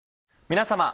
皆様。